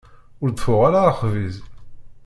Ur d-tuɣ ara axbiz.